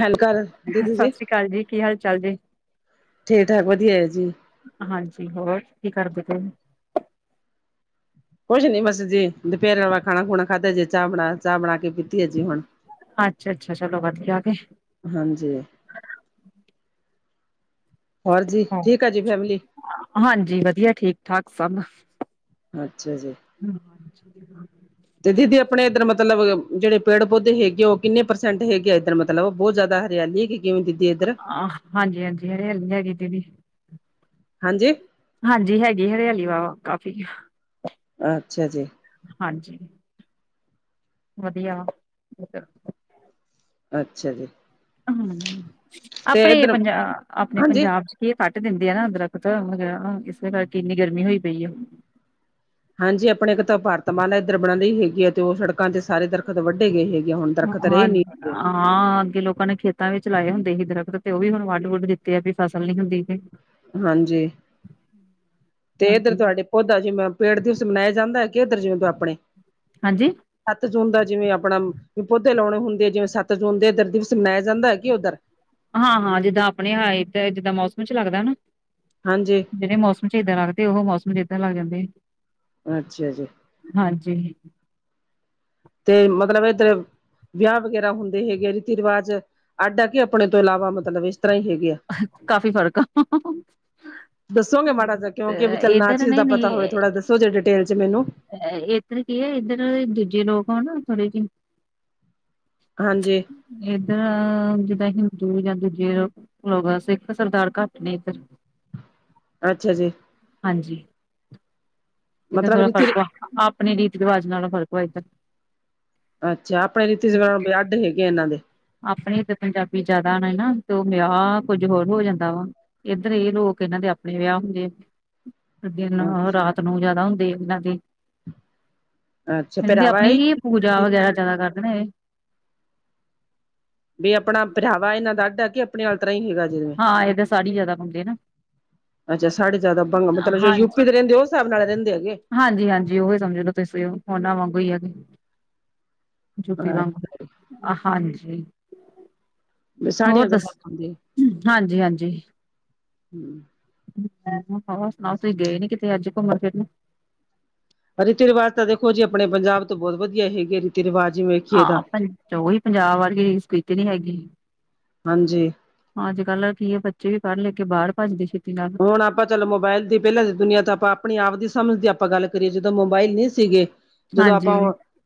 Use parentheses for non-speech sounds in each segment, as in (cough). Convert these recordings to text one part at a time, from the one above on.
ਹੈਲ ਕਰ ਸਤਿ ਸ਼੍ਰੀ ਅਕਾਲ ਜੀ, ਕੀ ਹਾਲ -ਚਾਲ ਜੀ? ਠੀਕ, ਠਾਕ ਵਧੀਆ ਜੀ। ਹਾਂਜੀ, ਹੋਰ ਕੀ ਕਰਦੇ? ਕੁਛ ਨੀ ਬਸ ਜੀ, ਦੁਪਹਿਰੇ ਵਾਲਾ ਖਾਣਾ -ਖੁਣਾ ਖਾਧਾ ਜੇ ਚਾਹ ਬਣਾ, ਚਾਹ ਬਣਾ ਕੇ ਹੈ ਜੀ ਹੁਣ ਅੱਛਾ- ਅੱਛਾ, ਚਲੋ ਵੱਧ ਗਿਆ, ਆ ਕੇ। ਹਾਂਜੀ, ਹੋਰ ਜੀ, ਠੀਕ ਆ ਜੀ ਫੈਮਿਲੀ? ਹਾਂਜੀ, ਵਧੀਆ ਠੀਕ, ਠਾਕ ਸਭ। ਅੱਛਾ ਜੀ। ਤੇ, ਦੀਦੀ ਆਪਣੇ ਇੱਧਰ ਮਤਲਬ ਜਿਹੜੇ ਪੇੜ, ਪੌਦੇ ਹੈਗੇ ਉਹ ਕਿੰਨੇ ਪਰਸੈਂਟ ਹੈਗੇ ਆ? ਇੱਧਰ ਮਤਲਬ ਮਤਲਬ, ਉਹ ਬਹੁਤ ਜ਼ਿਆਦਾ ਹਰਿਆਲੀ ਹੈ। ਕਿ ਕਿਵੇਂ ਦੀ? ਆਹ ਹਾਂਜੀ- ਹਾਂਜੀ, ਹਰਿਆਲੀ ਹੈਗੀ ਦੀਦੀ। ਹਾਂਜੀ ਹਾਂਜੀ, ਹੈਗੀ, ਹਰਿਆਲੀ ਵਾਹਵਾ, ਕਾਫੀ। ਅੱਛਾ ਜੀ। ਹਾਂਜੀ। ਵਧੀਆ (unintelligible) ਅੱਛਾ ਜੀ। ਹਮ, ਤੇ ਆਪਣੇ ਇੱਧਰ ਪੰਜਾ, ਆਪਣੇ ਹਾਂਜੀ ਪੰਜਾਬ ਚ ਕੀ ਇਹ ਕੱਟ ਦਿੰਦੇ ਆ ਨਾ, ਦਰੱਖਤ ਵਗ਼ੈਰਾ ਇਸੇ ਕਰਕੇ ਇੰਨੀ, ਗਰਮੀ ਹੋਈ ਪਈ ਆ। ਹਾਂਜੀ, ਆਪਣੇ ਇੱਕ ਤਾਂ, ਭਾਰਤਮਾਲਾ ਇੱਧਰ ਬਣ ਰਹੀ ਹੈਗੀ ਹੈ, ਤੇ ਉਹ ਸੜਕਾਂ ਤੇ ਸਾਰੇ ਦਰ ਦਰੱਖਤ ਵੱਢੇ ਗਏ ਹੈਗੇ, ਹੁਣ ਦਰੱਖਤ ਹਾਂ ਰਹੇ ਨਹੀਂ। ਹਾਂ ਅੱਗੇ, ਲੋਕਾਂ ਨੇ ਖੇਤਾਂ ਵਿੱਚ ਲਾਏ ਹੁੰਦੇ ਸੀ, ਦਰੱਖਤ ਤੇ ਉਹ ਵੀ ਹੁਣ ਵੱਢ- ਵੁੱਢ ਦਿੱਤੇ ਆ, ਵੀ ਫਸਲ ਨੀ ਹੁੰਦੀ। (unintelligible) ਹਾਂਜੀ, ਤੇ ਇੱਧਰ ਹਾਂਜੀ ਤੁਹਾਡੇ ਓਦਾ ਜਿਵੇਂ ਪੇੜ ਦਿਵਸ ਮਨਾਯਾ ਜਾਂਦਾ (unintelligible) ਹਾਂਜੀ। ਸੱਤ ਜੂਨ ਦਾ ਜਿਵੇਂ ਆਪਣਾ ਵੀ ਪੌਧੇ ਲਾਉਣੇ ਹੁੰਦੇ ਜਿਵੇਂ ਸੱਤ ਜੂਨ ਦੇ ਇੱਧਰ ਦਿਵਸ ਮਨਾਯਾ ਜਾਂਦਾ ਹੈ ਕਿ ਉੱਧਰ? ਹਾਂ-ਹਾਂ ਜਿੱਦਾਂ ਆਪਣੇ ਹਾ ਏਦਰ ਜਿੱਦਾਂ ਮੌਸਮ ਚ ਲੱਗਦਾ ਨਾ ਹਾਂਜੀ। ਜਿਹੜੇ ਮੌਮ ਚ ਇਦਾਂ ਲੱਗਦੇ ਉਹ ਮੌਸਮ ਚ (unintelligible) ਲੱਗ ਜਾਂਦੇ ਆ। ਅੱਛਾ ਜੀ। ਹਾਂਜੀ। ਤੇ ਮਤਲਬ ਇੱਧਰ ਵਿਆਹ ਵਗੈਰਾ ਹੁੰਦੇ ਹੈਗੇ ਆ ਰੀਤੀ ਰਿਵਾਜ਼ ਅੱਡ ਆ ਕੇ ਆਪਣੇ ਤੋਂ ਇਲਾਵਾ ਮਤਲਬ ਇਸ ਤਰ੍ਹਾਂ ਹੀ ਹੈਗੇ ਆ? ਕਾਫੀ ਫ਼ਰਕ ਆ (unintelligible) ਦੱਸੋਗੇ ਮਾੜਾ ਜਾ ਤੇ ਕਿਉਂਕਿ ਚੱਲ ਨਾ ਇੱਧਰ ਚੀਜ਼ ਦਾ ਪਤਾ ਹੋਵੇ ਨਹੀਂ-ਨਹੀਂ ਥੋੜਾ ਦੱਸੋ ਜੇ ਡਿਟੇਲ ਚ ਮੈਨੂੰ। ਇੱਧਰ ਕੀ ਹੈ ਇੱਧਰ ਦੂਜੇ ਲੋਕ ਹੋਣ ਥੋੜੇ ਜਿਹੇ ਹਾਂਜੀ। ਇੱਧਰ (unintelligible) ਸਿੱਖ ਸਰਦਾਰ ਘੱਟ ਨੇ ਇੱਧਰ। ਅੱਛਾ ਜੀ। ਹਾਂਜੀ। ਇਧਰ ਮਤਲਬ ਥੋੜ੍ਹਾ ਰੀਤੀ ਫਰਕ ਵਾ ਆਪਣੇ ਰੀਤੀ ਰਿਵਾਜ ਨਾਲੋਂ ਫਰਕ ਵਾ ਏਧਰ। ਅੱਛਾ ਆਪਣੇ ਰੀਤੀ ਰਿਵਾਜ਼ (unintelligible) ਹੈਗੇ ਇਹਨਾਂ ਦੇ। ਆਪਨੇ ਏਧਰ ਪੰਜਾਬੀ ਜਾਦਾ ਨੇ ਨਾ ਤੇ ਉਹ ਵਿਆਹ ਕੁੱਝ ਹੋਰ ਹੋ ਜਾਂਦਾ ਵਾ। ਇੱਧਰ ਇਹ ਲੋਕ ਇਹਨਾਂ ਦੇ ਆਪਣੇ ਵਿਆਹ ਹੁੰਦੇ ਦਿਨ, ਅੱਛਾ ਰਾਤ ਨੂੰ ਜਿਆਦਾ ਹੁੰਦੇ ਆ ਇਹਨਾਂ ਦੇ। ਅੱਛਾ (unintelligible) ਪਹਿਰਾਵਾ ਆਪਣੀ ਹੀ ਪੂਜਾ ਹੈ ਵਗੈਰਾ ਜਿਆਦਾ ਕਰ ਦੇ ਨੇ ਇਹ, ਬਈ ਅਪਣਾ ਪਹਨਾਵਾ ਏਹਨਾਂ ਦਾ (unintelligible) ਆਪਣਿਆਂ ਤਰ੍ਹਾਂ ਹੀ ਹੈਗਾ? ਹਾਂ ਇਹਦਾ ਸਾੜੀ ਜਿਆਦਾ ਪਾਉਂਦੇ ਨਾ (unintelligible) ਅੱਛਾ ਸਾਡੇ ਜਾਦਾ (unintelligible) ਮਤਲਬ ਜਾ ਯੂਪੀ ਦੇ ਰਹਿੰਦੇ ਹੋ ਓਸ ਹਿਸਾਬ ਨਾਲ ਰਹਿੰਦੇ ਹੈਗੇ ਹਾਂਜੀ-ਹਾਂਜੀ ਓਹੀ ਸਮਝ ਲੋ ਤੁਸੀਂ ਉਹਨਾਂ ਵਾਂਗੂ ਹੀ ਹੈਗੇ ਯੂ ਪੀ ਵਾਂਗ ਅ ਹਾਂਜੀ ਸਾੜੀਆਂ ਹੋਰ ਜ਼ਿਆਦਾ ਦੱਸ? ਪਾਉਂਦੇ ਹਾਂਜੀ ਹਾਂਜੀ (unintelligible) ਹੋਰ ਸੁਣਾਓ ਤੁਸੀਂ ਗਏ ਨੀ ਕਿਤੇ ਅੱਜ ਘੁੰਮਣ ਫਿਰਨ? ਰੀਤੀ ਰਿਵਾਜ਼ ਤਾਂ ਦੇਖੋ ਜੀ ਆਪਣੇ ਪੰਜਾਬ ਤੋਂ ਬਹੁਤ ਵਧੀਆ ਹੈਗੇ ਰੀਤੀ ਰਿਵਾਜ਼ ਆਹ ਪੰਜ ਉਹੀ ਪੰਜਾਬ ਵਰਗੀ ਰੀਸ ਤੇ ਨੀ ਹੈਗੀ ਹਾਂਜੀ ਅੱਜ ਕੱਲ੍ਹ ਕੀ ਹੈ ਬੱਚੇ ਵੀ ਪੜ੍ਹ ਲਿਖ ਕੇ ਬਾਹਰ ਭੱਜਦੇ ਛੇਤੀ ਨਾਲ ਹੁਣ ਆਪਾਂ ਚਲੋ ਮੋਬਾਇਲ ਦੀ ਪਹਿਲਾਂ ਦੀ ਦੁਨੀਆਂ ਤਾਂ ਆਪਾਂ ਆਪਣੀ ਆਪ ਦੀ ਸਮਝ ਦੀ ਆਪਾਂ ਗੱਲ ਕਰੀਏ ਜਦੋਂ ਮੋਬਾਇਲ ਨਹੀਂ ਸੀਗੇ ਜਦੋਂ ਹਾਂਜੀ ਆਪਾਂ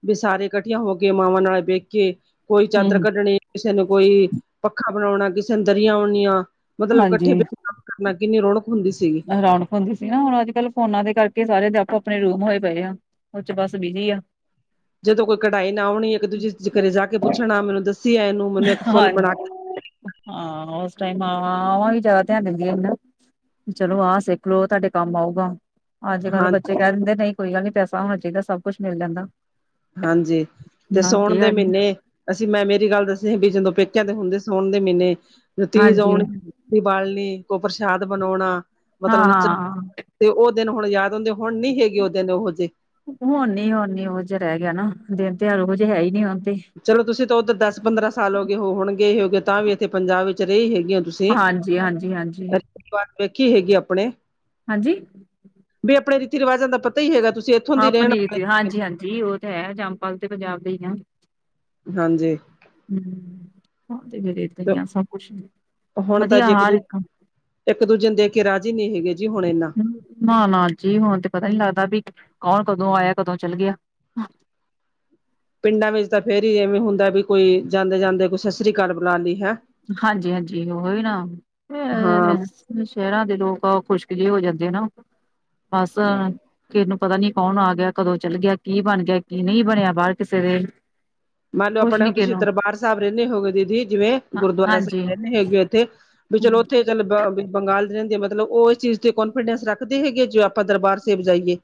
ਬਈ ਸਾਰੇ ਇਕੱਠੀਆਂ ਹੋ ਕੇ ਮਾਵਾਂ ਨਾਲ ਵੇਖ ਕੇ ਕੋਈ ਚਾਦਰ ਹਮ ਕੱਢਣੀ ਕਿਸੇ ਨੂੰ ਕੋਈ ਪੱਖਾ ਬਣਾਉਣਾ ਕਿਸੇ ਨੂੰ ਦਰੀਆਂ (unintelligible) ਮਤਲਬ ਇਕੱਠੇ ਹਾਂਜੀ ਕਮ ਕਰਨਾ ਕਿੰਨੀ ਰੌਣਕ ਹੁੰਦੀ ਸੀਗੀ। ਰੌਣਕ ਹੁੰਦੀ ਸੀ ਨਾ ਹੁਣ ਅੱਜ ਕੱਲ੍ਹ ਫੋਨਾਂ ਦੇ ਕਰਕੇ ਸਾਰੇ ਦੇ ਆਪੋ ਆਪਣੇ ਰੂਮ ਹੋਏ ਪਏ ਆ। ਓਹਦੇ ਚ ਬਸ ਬਿਜੀ ਆ। ਜਦੋਂ ਕੋਈ ਕਢਾਈ ਨਾ ਆਉਣੀ ਇੱਕ ਦੂਜੀੇ ਘਰੇ ਜਾ ਕੇ ਪੁੱਛਣਾ ਮੈਨੂੰ ਦੱਸੀ ਏ ਇਹਨੂੰ ਮੈਨੂੰ ਇੱਕ ਫੁੱਲ ਹਾਂਜੀ ਬਣਾ ਕੇ ਹਾਂ ਉਸ ਟਾਈਮ ਆ ਵੀ ਜ਼ਿਆਦਾ ਧਿਆਨ ਦੇਂਦਿਆ ਸੀ ਨਾ। ਚਲੋ ਆਹ ਸਿੱਖਲੋ ਤੁਹਾਡੇ ਕੰਮ ਆਊਗਾ ਅੱਜ ਕੱਲ ਹਾਂ ਬੱਚੇ ਕਹਿ ਦਿੰਦੇ ਨਹੀਂ ਕੋਈ ਗੱਲ ਨੀ ਪੈਸਾ ਹੋਣਾ ਚਾਹੀਦਾ ਸਭ ਕੁੱਛ ਮਿਲ ਜਾਂਦਾ। ਹਾਂਜੀ ਤੇ ਸੋਣ ਹਾਂਜੀ ਦੇ ਹਾਂਜੀ ਮਹੀਨੇ ਅਸੀਂ ਮੈਂ ਮੇਰੀ ਗੱਲ ਦੱਸਨੀ ਵੀ ਜਦੋਂ ਬਈ ਪੇਕਿਆਂ ਤੇ ਹੁੰਦੇ ਸੋਣ ਦੇ ਮਹੀਨੇ ਤੇ ਤੀਜ ਹਾਂਜੀ ਆਉਣ (unintelligible) ਬਾਲਣੀ ਕੋਈ ਪ੍ਰਸ਼ਾਦ ਬਣਾਉਣਾ ਹਾਂ ਮਤਲਬ ਹਾਂ ਤੇ ਉਹ ਦਿਨ ਹੁਣ ਯਾਦ ਹੁੰਦੇ ਹੁਣ ਨੀ ਹੈਗੇ ਉਹ ਦਿਨ ਉਹੋ ਜਿਹੇ। ਹੁਣ ਨੀ ਹੁਣ ਨੀ ਉਹ ਜਯਾ ਰਹਿ ਗਿਆ ਨਾ ਦਿਨ ਤਿਉਹਾਰ ਓਹੋ ਜਹੇ ਹੈ ਈ ਨੀ ਹੁਣ ਤੇ। ਚਲੋ ਤੁਸੀਂ ਤਾਂ ਉੱਧਰ ਦਸ ਪੰਦਰਾਂ ਸਾਲ ਹੋ ਗਏ ਹੋਣਗੇਏ ਹੋਗੇ ਤਾਂ ਵੀ ਇੱਥੇ ਪੰਜਾਬ ਵਿੱਚ ਰਹੀ ਹੈਗੀੀਆਂ ਤੁਸੀਂ। ਹਾਂਜੀ ਹਾਂਜੀ ਹਾਂਜੀ ਰੀਤੀ ਵੇਖੀ ਹੈਗੀ ਆਪਣੇ ਹਾਂਜੀ ਵੀ ਆਪਣੇ ਰੀਤੀ ਰਿਵਾਜਾਂ ਦਾ ਪਤਾ ਹੀ ਹੈਗਾ ਤੁਸੀਂ ਇੱਥੋਂ ਦੀ ਹਾਂ ਰਹਿਣ ਪਨੀਰ ਦੀ ਵਾਲੇ ਹਾਂਜੀ ਹਾਂਜੀ ਉਹ ਤੇ ਹੈ ਜੰਪਾਲ ਤੇ ਪੰਜਾਬ ਦੇ ਹੀ ਆ ਹਾਂਜੀ ਤੇ ਹੁਣ ਤਾਂ ਜੀ ਇੱਕ ਦੂਜੇ (unintelligible) ਇੱਕ ਦੂਜੇ ਨੂੰ ਦੇਖ ਕੇ ਰਾਜ਼ੀ ਨਹੀਂ ਹੈਗੇ ਜੀ ਹੁਣ ਇਨਾ ਨਾ ਨਾ ਜੀ ਹੁਣ ਤੇ ਪਤਾ ਨੀ ਲੱਗਦਾ ਵੀ ਕੌਣ ਕਦੋਂ ਆਇਆ ਕਦੋਂ ਚੱਲ ਗਿਆ ਪਿੰਡਾਂ ਵਿੱਚ ਤਾਂ ਫੇਰ ਹੀ ਐਵੇਂ ਹੁੰਦਾ ਵੀ ਕੋਈ ਜਾਂਦੇ ਜਾਂਦੇ ਕੋਈ ਸਤਿ ਸ੍ਰੀ ਅਕਾਲ ਬੁਲਾ ਲਈ ਹੈ ਹਾਂਜੀ ਹਾਂਜੀ ਉਹੀ ਨਾ ਹਾਂ ਸ਼ਹਿਰਾਂ ਦੇ ਲੋਕ ਆ ਖੁਸ਼ਕ ਜਿਹੇ ਹੋ ਜਾਂਦੇ ਆ ਨਾ ਬਸ ਕਿਸੇ ਨੂੰ ਪਤਾ ਨੀ ਕੌਣ ਆ ਗਿਆ ਕਦੋਂ ਚੱਲ ਗਿਆ ਕੀ ਬਣ ਗਿਆ ਕੀ ਨਹੀਂ ਬਣਿਆ ਬਾਹਰ ਕਿਸੇ ਦੇ ਮੰਨ ਲਓ ਕੁਛ ਆਪਣੇ ਨੀ ਹੁਣ ਕਿਸੇ ਤੁਸੀਂ ਨੂੰ ਦਰਬਾਰ ਸਾਹਿਬ ਰਹਿੰਦੇ ਹੋਗੇ ਦੀਦੀ ਜਿਵੇਂ ਹਾਂ ਗੁਰਦੁਆਰਾ ਹਾਂਜੀ ਸਾਹਿਬ ਰਹਿੰਣੇ ਹੈਗੇ ਇੱਥੇ ਵੀ ਚਲੋ ਉੱਥੇ ਚੱਲ ਬ ਬੰਗਾਲ ਦੇ ਰਹਿੰਦੇ ਆ ਮਤਲਬ ਉਹ ਇਸ ਚੀਜ਼ ਤੇ ਕੋਨਫੀਡੈਂਸ ਰੱਖਦੇ ਹੈਗੇ ਆ ਜੋੇ ਆਪਾਂ ਦਰਬਾਰ ਸੇਬ ਜਾਈਏ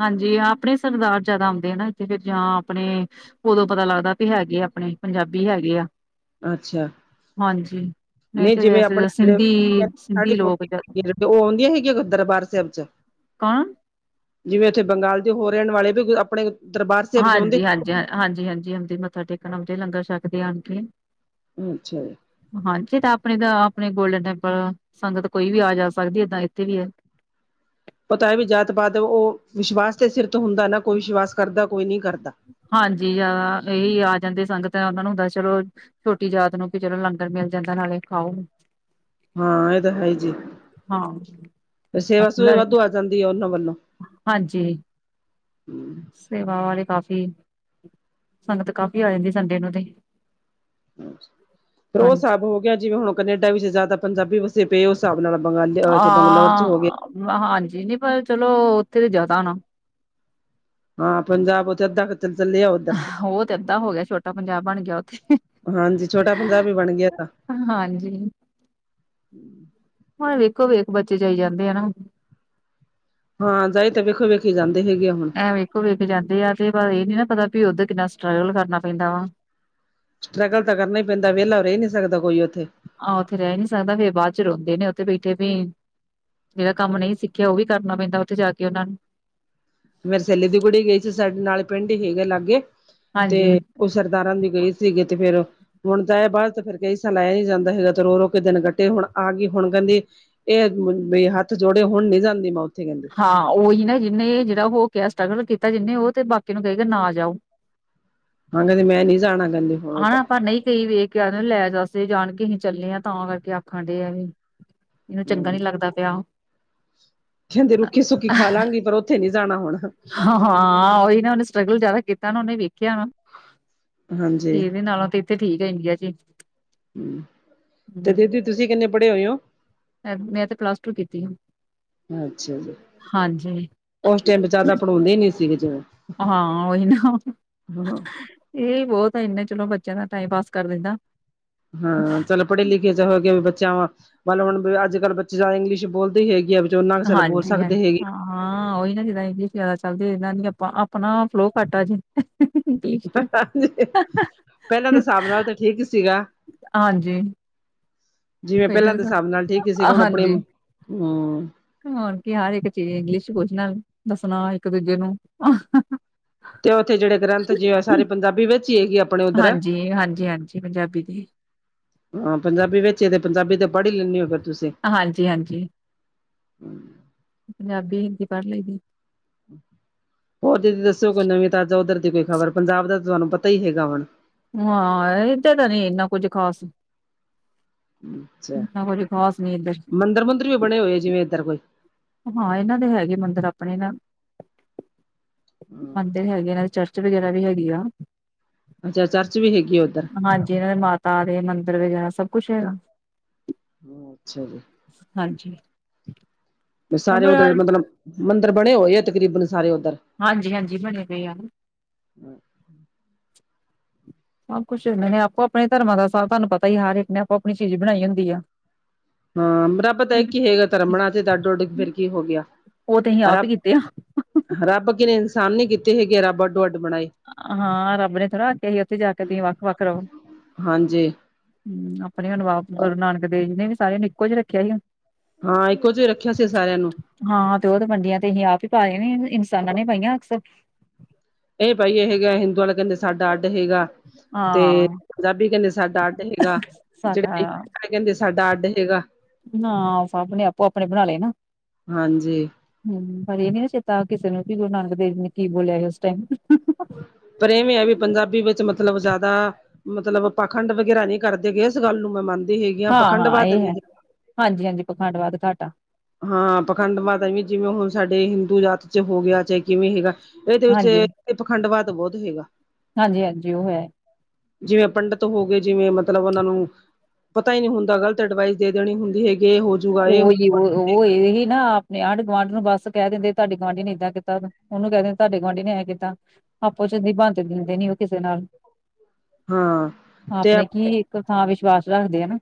ਹਾਂਜੀ ਆਪਣੇ ਸਰਦਾਰ ਜਿਆਦਾ ਆਉਂਦੇ ਆ ਨਾ ਇੱਥੇ ਫ ਜਾਂ ਆਪਣੇ ਉਦੋਂ ਪਤਾ ਲੱਗਦਾ ਵੀ ਹੈਗੇ ਆਪਣੇ ਪੰਜਾਬੀ ਹੈਗੇ ਆ ਅੱਛਾ ਹਾਂਜੀ ਨਹੀਂ ਤੇ ਜਿਵੇਂ ਵੈਸੇ ਆਪਣੇ ਤਾਂ ਜਿਹੜੇ ਸਿੰਧੀ ਸਿੰਧੀ ਸਾੜੀ ਲੋਕ ਜ ਪਾਉਂਦੇ ਉਹ ਆਉਂਦੀਆਂ ਹੈਗੀਆਂ ਦਰਬਾਰ ਸਾਹਿਬ ਚ (unintelligible) ਜਿਵੇਂ ਉੱਥੇ ਬੰਗਾਲ ਦੇ ਹੋ ਰਹਿਣ ਵਾਲੇ ਵੀ ਆਪਣੇ ਦਰਬਾਰ ਸਾਹਿਬ ਚ ਆਉਂਦੇ ਹਾਂਜੀ ਹਾਂਜੀ ਹ ਹਾਂਜੀ ਹਾਂਜੀ ਹਉਦੀ ਮੱਥਾ ਟੇਕਣ ਆਉਦੇ ਲੰਗਰ ਛਕਦੇ ਆਣ ਕੇ (unintelligible) ਹਾਂਜੀ ਤਾਂ ਆਪਣੀ ਤਾਂ ਆਪਣੇ ਗੋਲਡਨ ਟੈਂਪਲ, ਸੰਗਤ ਕੋਈ ਵੀ ਆ-ਜਾ ਸਕਦੀ ਏਦਾਂ ਇੱਥੇ ਵੀ ਐ। ਪਤਾ ਹੈ ਵੀ ਜਾਤ ਪਾਤ ਉਹ ਵਿਸ਼ਵਾਸ ਤੇ ਸਿਰ ਤੇ ਹੁੰਦਾ ਨਾ ਕੋਈ ਵਿਸ਼ਵਾਸ ਕਰਦਾ ਕੋਈ ਨਹੀਂ ਕਰਦਾ। ਹਾਂਜੀ, ਅ ਇਹੀ ਆ ਜਾਂਦੀ ਸੰਗਤ ਉਹਨਾਂ ਨੂੰ ਹੁੰਦਾ ਚਲੋ ਛੋਟੀ ਜਾਤ ਨੂੰ ਪੀ ਚਲੋ, ਲੰਗਰ ਮਿਲ ਜਾਂਦਾ ਨਾਲੇ ਖਾਓ ਹਾਂ, ਇਹ ਤਾਂ ਹੈ ਹੀ ਜੀ ਹਾਂ ਤੇ ਸੇਵਾ ਸੁਵਾ ਖੁੱਲਾ ਵਾਧੂ ਆ ਜਾਂਦੀ ਆ ਉਹਨਾਂ ਵੱਲੋਂ। ਹਾਂਜੀ, ਸੇਵਾਵਾ ਤੇ ਕਾਫੀ ਸੰਗਤ ਕਾਫ਼ੀ ਆ ਜਾਂਦੀ ਸੰਡੇ ਨੂੰ ਤੇ ਫਿਰ ਉਹ ਹਾਂਜੀ ਸਾਬ੍ਹ ਹੋ ਗਿਆ, ਜਿਵੇਂ ਹੁਣ ਕਨੇਡਾ ਵਿੱਚ ਜ਼ਿਆਦਾ ਪੰਜਾਬੀ ਵਸ ਜੇ, ਬੇ ਓ ਹਿਸਾਬ ਨਾਲ, ਬੰਗਾਲੀ ਅ ਤੇ ਬੰਗਲੌਰ ਚ ਹੋ ਗਏ। ਹਾਂ ਹਾਂਜੀ, ਨੀ ਪਰ ਚਲੋ, ਉੱਥੇ ਤੇ ਜਿਆਦਾ ਹੋਣਾ- ਹਾਂ, ਪੰਜਾਬ ਉੱਥੇ ਅੱਧਾ ਕ ਚ ਚਲੇਆ ਹੁਨ ਉਹ ਤੇ ਏਦਾ ਹੋ ਗਿਆ ਛੋਟਾ ਪੰਜਾਬ ਬਣ ਗਿਆ ਓਥੇ ਹਾਂਜੀ ਛੋਟਾ ਪੰਜਾਬ ਹੀ ਬਣ ਗਿਆ ਤਾਂ ਹਾਂਜੀ (unintelligible) ਹੁਣ ਵੇਖੋ ਵੇਖ ਬੱਚੇ ਚ ਆਈ ਜਾਂਦੇ ਹਨਾ ਹਾਂ ਜਾਈ ਤਾਂ ਵੇਖੋ ਵੇਖੀ ਜਾਂਦੇ ਹੈਗੇ ਆ ਹੁਣ ਵੇਖੋ ਵੇਖ ਜਾਂਦੇ ਆ ਤੇ ਇਹ ਨੀ ਨਾ ਪਤਾ ਵੀ ਉੱਧਰ ਕਿੰਨਾ ਸਟਰਗਲ ਕਰਨਾ ਪੈਂਦਾ ਵਾ ਸਟਰਗਲ ਤਾਂ ਕਰਨਾ ਹੀ ਪੈਂਦਾ ਵਿਹਲਾ ਰਹਿ ਨੀ ਸਕਦਾ ਕੋਈ ਉੱਥੇ ਆਹ ਉੱਥੇ ਰਹਿ ਨੀ ਸਕਦਾ ਫਿਰ ਬਾਅਦ ਚ ਰੋਂਦੇ ਨੇ ਉੱਥੇ ਬੈਠੇ ਵੀ ਜਿਹੜਾ ਕੰਮ ਨਹੀਂ ਸਿੱਖਿਆ ਉਹ ਵੀ ਕਰਨਾ ਪੈਂਦਾ ਉੱਥੇ ਜਾ ਕੇ ਉਹਨਾਂ ਨੂੰ ਮੇਰੇ ਸੈਲੀ ਦੀ ਕੁੜੀ ਗਈ ਸੀ ਸਾਡੇ ਨਾਲ ਪਿੰਡ ਹੀ ਹੈਗਾ ਲਾਗੇ ਤੇ ਹਾਂਜੀ ਉਹ ਸਰਦਾਰਾਂ ਦੀ ਗਏ ਸੀਗੇ ਤੇ ਫੇਰ ਹੁਣ ਤਾਂ ਇਹ ਬਾਅਦ ਤੇ ਫਿਰ ਕਈ ਸਾਲ ਲ ਆਇਆ ਨੀ ਜਾਂਦਾ ਹੈਗਾ ਤੇ ਰੋ ਰੋ ਕੇ ਦਿਨ ਕੱਟੇ ਹੁਣ ਆ ਗਈ ਹੁਣ ਕਹਿੰਦੀ ਇਹ ਹੱਥ ਜੋੜੇ ਹੁਣ ਨੀ ਜਾਂਦੀ ਮੈਂ ਉੱਥੇ ਕਹਿੰਦੀ ਹਾਂ ਉਹੀ ਨਾ, ਜਿਹਨੇ ਜਿਹੜਾ ਹੋ ਕੇ ਆਇਆ ਸਟਗਲ ਕੀਤਾ ਜਿਹਨੇ ਉਹ ਤੇ ਬਾਕੀ ਨੂੰ ਕਹੇਗਾ ਨਾ ਜਾਓ। ਆਂਦੇ ਨੇ ਮੈਂ ਨੀ ਜਾਣਾ, ਕਹਿੰਦੇ ਹੁਣ ਉੱਧਰ। ਹਨਾ ਪਰ ਨਹੀਂ ਕ‌ਈ ਵੇਖ ਕ ਲੈ ਜਸੇ ਜਾਣ ਕੇ ਅਸੀਂ ਚੱਲੇ ਆ ਤਾਂ ਕਰਕੇ ਆਖਣ ਡੇ ਆ ਵੀ ਇਹਨੂੰ ਚੰਗਾ ਨੀ ਹੂੰ ਲੱਗਦਾ ਪਿਆ। ਕਹਿੰਦੇ ਰੁੱਖੀ-ਸੁੱਕੀ ਖਾ ਲਾਂਗੀ ਪਰ ਉੱਥੇ ਨੀ ਜਾਣਾ ਹੁਣ। ਹਾਂ-ਹਾਂ ਉਹੀ ਨਾ, ਉਹਨੇ ਸਟਰਗਲ ਜਿਆਦਾ ਕੀਤਾ ਨਾ, ਉਹਨੇ ਵੇਖਿਆ ਨਾ। ਹਾਂਜੀ ਇਹਦੇ ਨਾਲੋਂ ਤੇ ਇੱਥੇ ਠੀਕ ਐ ਇੰਡੀਆ ਚ ਹੀ। ਹਮ, ਤੇ ਹੂੰ ਦੀਦੀ ਤੁਸੀਂ ਕਿੰਨੇ ਪੜ੍ਹੇ ਹੋਏ ਹੋ? ਮੈਂ ਤੇ, ਪਲੱਸ ਟੂ ਕੀਤੀ ਹੈ, ਅੱਛਾ ਜੀ ਹਾਂਜੀ ਹੋਂਦੇ ਨੀ ਸੀਗੇ ਜੇਹੜੇ ਹਾਂ, ਓਹੀ ਨਾ ਏ ਬੋਤ ਐ, ਇੰਨੇ ਚ ਚਲੋ ਬੱਚਿਆਂ ਦਾ ਟਾਈਮ ਪਾਸ ਕਰ ਦਿੰਦਾ ਹਾਂ, ਚਲ ਪੜ੍ਹੇ ਲਿਖੇ ਚ ਹੋਏ ਵੀ ਬੱਚਾ ਵਾ, ਮਨ ਲੋ ਹੁਣ ਅੱਜ- ਕੱਲ੍ਹ ਬੱਚੇ ਜਾਦਾ ਇੰਗਲਸ਼ ਬੋਲਦੇ ਈ ਹੈਗੇ ਆ ਜੋ ਨਾ, ਕਿਸੇ ਵੇਲੇ ਬੋਲ ਹਾਂਜੀ ਹਾਂ, ਸਕਦੇ ਹੈਗੇ ਹਾਂ ਓਈ ਨਾ ਜਿੱਦਾਂ ਇਨੀ ਜ਼ਿਆਦਾ ਚੱਲਦੀ ਏਨਾ ਦੀਆ ਆਪਾਂ ਆਪਣਾ ਫਲੋ ਘੱਟ ਆਜੇ ਹਾਂਜੀ, ਪਹਿਲਾਂ ਦੇ ਸਾਬ ਨਾਲ ਤਾਂ ਠੀਕ ਸੀਗਾ। ਹਾਂਜੀ ਜਿਵੇਂ ਪੈਲਾਂ ਪਹਿਲਾਂ ਦੇ, ਤਾਂ ਹਿਸਾਬ ਨਾਲ ਠੀਕ ਹੀ ਸੀਗਾ, ਹੁਣ ਆਪਣੇ, ਹਾਂਜੀ ਹਮ ਹੋਰ ਕੀ, ਹਰ ਇੱਕ ਚੀਜ਼ ਇੰਗਲਿਸ਼ 'ਚ ਪੁਛਨਾ, ਦਸਨਾ ਇੱਕ ਦੂਜੇ ਨੂੰ ਤੇ, ਉੱਥੇ ਜਿਹੜੇ ਗ੍ਰੰਥ ਜੀ ਐ, ਸਾਰੇ ਪੰਜਾਬੀ ਵਿੱਚ ਈ ਹੈ ਕਿ ਹਾਂਜੀ-ਹਾਂਜੀ, ਹਾਂਜੀ ਪੰਜਾਬੀ ਦੀ ਹਾਂ, ਪੰਜਾਬੀ ਵਿਚ ਏ, ਤੇ ਪੰਜਾਬੀ ਤਾਂ ਪੜ੍ਹ ਹੀ ਲੈਂਨੇ ਓ, ਫੇਰ ਤੁਸੀਂ ਹਾਂਜੀ- ਹਾਂਜੀ। (inaudible) ਪੰਜਾਬੀ, ਹਿੰਦੀ ਪੜ੍ਹ ਲਈਦੀ ਏ ਹੋਰ ਦੀਦੀ ਦੱਸਓ ਕੋਈ ਨਵੀਂ ਤਾਜ਼ਾ, ਉਧਰ ਦੀ ਕੋਈ ਖ਼ਬਰ ਪੰਜਾਬ ਦਾ, ਤਾਂ ਤੁਹਾਨੂੰ ਪਤਾਈ ਹੈਗਾ ਹੁਣ। ਹਾਂ ਏਧ, ਤਾਂ ਨੀ ਇੰਨਾ ਕੁੱਝ ਖਾਸ। ਅੱਛਾ, ਕੁੱਝ ਖ਼ਾਸ ਨੀ ਇੱਧਰ ਮੰਦਿਰ ਮੁੰਦਰ ਵੀ ਬਣੇ ਹੋਏ ਆ। ਜਿਵੇਂ ਇੱਧਰ ਕੋਈ, ਹਾਂ, ਇਹਨਾਂ ਦੇ ਹੈਗੇ ਮੰਦਿਰ ਆਪਣੇ ਨਾ। ਹਮ, ਮੰਦਿਰ ਹੈਗੇ ਇਹਨਾਂ, ਦੇ ਚਰਚ ਵਗੈਰਾ ਵੀ ਹੈਗੀ ਆ। ਅੱਛਾ, ਚਰਚ ਵੀ ਹੈਗੀ ਆ ਉੱਧਰ। ਹਾਂਜੀ, ਇਹਨਾਂ ਦੇ ਮਾਤਾ ਦੇ ਮੰਦਿਰ ਵਗੈਰਾ ਸਭ ਕੁਛ ਹੈਗਾ। ਹਮ, ਅੱਛਾ ਜੀ। ਹਾਂਜੀ, ਸਾਰੇ ਉੱਧਰ, ਮਤਲਬ ਮੰਦਿਰ ਬਣੇ ਹੋਏ ਆ, ਤਕਰੀਬਨ ਸਾਰੇ ਉੱਧਰ ਹਾਂਜੀ-ਹਾਂਜੀ ਬਣੇ ਪਏ ਆ। ਸਭ ਕੁੱਛ ਏਹਨਾਂ ਨੇ ਆਪੋ ਆਪਣੇ ਧਰਮਾਂ ਦਾ ਸਭ ਤੁਹਾਨੂੰ ਪਤਾ ਈ ਐ ਹਰ ਇੱਕ ਨੇ ਆਪੋ ਆਪਣੀ ਚੀਜ਼ ਬਣਾਈ ਹੁੰਦੀ ਆ। ਹਾਂ ਰੱਬ ਤਾ ਇਕ ਈ ਹੈਗਾ, ਧਰਮ ਬਣਾ ਤੇ ਅੱਡੋ ਅੱਡ ਤੇ ਫਿਰ ਕੀ ਹੋ ਗਿਆ, ਉਹ ਤੇ ਅਸੀਂ ਆਪ ਹੀ ਰੱਬ ਕੀਤੇ ਆ ਰੱਬ ਅੱਗੇ ਇਨਸਾਨ ਨੀ ਕੀਤੇ ਹੈਗੇ, ਰੱਬ ਅੱਡੋ- ਅੱਡ ਬਣਾਏ ਹਾਂ, ਰੱਬ ਨੇ ਥੋੜ੍ਹਾ ਆਖਿਆ ਸੀ, ਉੱਥੇ ਜਾ ਕੇ, ਤੁਸੀਂ ਵੱਖ- ਵੱਖ ਰਹੋ। ਹਾਂਜੀ ਹਮ, ਆਪਣੇ ਅਨੁਵਾਵ, ਗੁਰੂ ਨਾਨਕ ਦੇਵ ਜੀ ਨੇ ਵੀ ਸਾਰਿਆਂ ਨੂੰ, ਇੱਕੋ ਜੇਹਾ ਰੱਖੇਆ ਸੀ। ਹਾਂ, ਇੱਕੋ ਜਿਹਾ ਰੱਖੇਆ ਸੀ, ਸਾਰਿਆਂ ਨੂੰ। ਹਾਂ, ਤੇ ਓ ਤੇ ਵਨਡੀਆਂ ਤੇ ਅਸੀ ਆਪ ਹੀ ਪਾਏ ਨੇ, ਇਨਸਾਨਾਂ ਨੇ ਪਾਈਆਂ ਅਕਸ ਏ ਭਾਈ ਏ ਹੈਗਾ, ਹਿੰਦੂਆ ਦਾ ਕੈੰਦੇ, ਸਾਡਾ ਅੱਡ ਹੈਗਾ, ਤੇ ਹਾਂ ਪੰਜਾਬੀ ਕੈੰਦੇ ਸਾਡਾ ਅੱਡ ਅੱਡ ਹੈਗਾ, ਸਾਡਾ ਜਿਹੜਾ ਕੈੰਦੇ ਸਾਡਾ ਅੱਡ ਹੈਗਾ ਨਾ, ਸਬ ਨੇ ਆਪੋ, ਆਪਣੇ ਬਣਾ ਲਏ ਨਾ। ਹਾਂਜੀ ਹਮ ਪਰ, ਇਹ ਨੀ ਨਾ ਚੇਤਾ, ਕਿਸੇ ਨੂੰ ਵੀ ਗੁਰੂ ਨਾਨਕ ਦੇਵ ਨੇ ਕੀ ਬੋਲਿਆ, ਉਸ ਟਾਈਮ। ਪਰ ਇਹਵੇਂ ਹੈ, ਵੀ ਪੰਜਾਬੀ ਵਿੱਚ ਮਤਲਬ ਜ਼ਿਆਦਾ। ਮਤਲਬ ਪਾਖੰਡ ਵਗੈਰਾ ਨਹੀਂ ਕਰਦੇ ਗਏ, ਇਸ ਗੱਲ ਨੂੰ ਮੈਂ ਮੰਨਦੀ ਹੈਗੀ ਹਾਂ ਪਾਖੰਡ ਵੱਧ ਨੀ ਹੈ। ਹਾਂਜੀ, ਹਾਂਜੀ, ਪਖੰਡਵਾਦ ਘਾਟਾ। ਹਾਂ ਪਾਖੰਡ ਮਤਾ ਜੀ ਜਿਵੇਂ ਹੁਣ, ਸਾਡੇ ਹਿੰਦੂ ਜਾਤ ਚ ਹੋ ਗਿਆ ਚਾਹੇ ਕਿਵੇਂ ਹੈਗਾ। ਇਹਦੇ ਵਿੱਚ, ਹਾਂਜੀ, ਪਖੰਡਵਾ ਤਾਂ ਬਹੁਤ ਹੈਗਾ। ਹਾਂਜੀ, ਹਾਂਜੀ, ਉਹ ਹੈ। ਜਿਵੇਂ, ਪੰਡਿਤ ਹੋ ਗਏ, ਜਿਵੇਂ ਮਤਲਬ, ਉਹਨਾਂ ਨੂੰ। ਪਤਾ ਹੀ ਨਹੀਂ ਹੁੰਦਾ ਗ਼ਲਤ ਐਡਵਾਈਸ ਦੇ ਦੇਣੀ ਹੁੰਦੀ ਹੈਗੀ। ਇਹ ਹੋਜੂਗਾ ਇਹ। ਹੋਜੂਗਾ ਇਹਹੀ ਨਾ, ਨ ਆਂਢ ਗੁਆਂਢ ਨੂੰ ਬੱਸ ਕਹਿ ਦਿੰਦੇ, ਤੁਹਾਡੀ ਗੁਆਂਢੀ ਨੇ ਏਦਾਂ ਕੀਤਾ, ਉਹਨੂੰ ਕਹਿ ਦਿੰਦੇ ਤੁਹਾਡੇ ਗੁਆਂਢੀ ਨੇ ਇਹਂ ਕੀਤਾ। ਆਪੋ ਚਦੀ ਬੰਦ ਦਿੰਦੇ ਨੀ ਉਹ ਕਿਸੇ ਨਾਲ। ਹਾਂ ਤੇ ਆਪਣੇ ਕੀ, ਇੱਕ ਥਾਂ ਵਿਸ਼ਵਾਸ ਰੱਖਦੇ ਹਨ ਨਾ।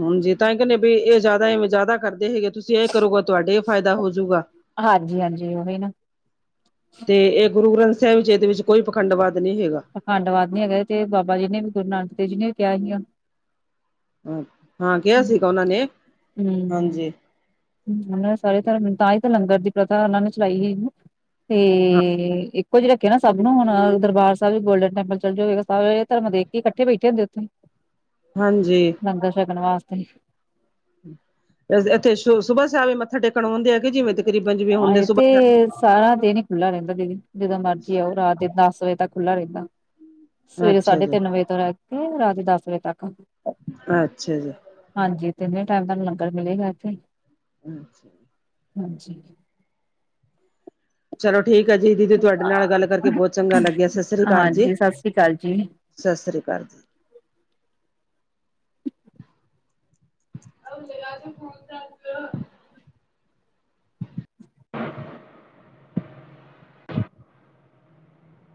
ਹਾਂਜੀ, ਤਾਂ ਇਹ ਕਹਿੰਦੇ ਵੀ, ਇਹ ਜ਼ਿਆਦਾਵੇਂ ਜ਼ਿਆਦਾ ਕਰਦੇ ਹੈਗੇ, ਤੁਸੀਂ ਤੁਸੀਂ ਇਹ ਕਰੋਗਾ, ਤੁਹਾਡੇ ਇਹ ਫਾਇਦਾ ਹੋਜੂਗਾ। ਹਾਂਜੀ-ਹਾਂਜੀ ਉਹੀ ਨਾ, ਤੇ ਇਹ, ਗੁਰੂ ਗ੍ਰੰਥ ਸਾਹਿਬ ਜੀ, ਇਹਦੇ ਵਿੱਚ ਕੋਈ ਪਖੰਡਵਾਦ ਨਹੀਂ ਹੈਗਾ। ਪਖੰਡਵਾਦ ਨ ਹੈਗਾਏ ਤੇ ਬਾਬਾ ਜੀ ਨੇ ਵੀ, ਗੁਰੂ ਨਾਨਕ ਦੇਵ ਜੀ ਨੇ ਵੀ ਕਿਹਾ ਸੀਆਂ‌। ਹਾਂ ਕਿਹਾ ਹੂੰ, ਸੀਗਾ ਉਹਨਾਂ ਨੇ, ਹਾਂਜੀ, ਉਹਨਾਂ ਨੇ ਸਾਰੇ ਧਰਮ ਤਾਂ ਹੀ, ਤਾਂ ਲੰਗਰ ਦੀ ਪ੍ਰਥਾ ਉਹਨਾਂ ਨੇ ਚਲਾਈ ਸੀ। ਤੇ ਹਾਂ ਇੱਕੋ ਜਿਹੇ ਰੱਖਿਆ ਨਾ, ਸਭ ਨੂੰ ਹੁਣ ਦਰਬਾਰ ਸਾਹਿਬ ਵੀ ਗੋਲਡਨ ਟੈਂਪਲ ਚੱਲ ਜਾਵੇਗਾ। ਸਭ ਇਹ ਧਰਮ ਦੇ ਕਿੱਠੇ, ਬੈਠੇ ਹੁੰਦੇੱਥੇ। ਹਾਂਜੀ, ਦ ਲੰਗਰ ਸ਼ਕਣ, ਵਾਸਤੇ। ਇੱਥੇ ਸੁ ਸੁਬਾਹ ਸ਼ਾਹ ਵੀ ਮੱਥਾ ਟੇਕਣ ਆਉਂਦੇ ਆ ਕਿ ਜਿਵੇਂ। ਤਕਰੀਬਨ ਜਿਵੇਂ ਹੁੰਦੇ ਆਇ, ਤੇ ਸੁਬਾਹ ਸਾਰਾ ਦਿਨ ਹੀ ਖੁੱਲਾ ਰਹਿੰਦਾ। ਜਦੋਂ ਮਰਜ਼ੀ ਆਓ ਰਾਤ ਦੇ ਦਸ ਵਜੇ ਤੱਕ ਖੁੱਲ੍ਹਲਾ ਰਹਿੰਦਾ। ਸਵੇਰੇ ਅੱਛਾ ਸਾਢੇ ਜੀ, ਤਿੰਨ ਵਜੇ ਤੋਂ ਰਹਿ ਕੇ ਰਾਤ ਦਸ ਵਜੇ ਤੱਕ। ਅੱਛਾ ਜੀ। ਹਾਂਜੀ ਤਿੰਨੇ ਟਾਈਮ ਤੁਹਾਨ ਲੰਗਰ ਮਿਲੇਗਾ ਇੱਥੇ। (inaudible) ਹਾਂਜੀ ਚਲੋ ਠੀਕ ਹੈ ਜੀ ਦੀਦੀ ਤੁਹਾਡੇ ਨਾਲ ਗੱਲ ਕਰਕੇ ਬਹੁਤ ਚੰਗਾ ਲੱਗਿਆ ਸਤਿ ਸ੍ਰੀ ਅਕਾਲ ਜੀ। ਹਾਂਜੀ ਸਤਿ ਸ੍ਰੀ ਅਕਾਲ ਜੀ ਸਤਿ ਸ਼੍ਰੀ ਅਕਾਲ ਜੀ। (inaudible)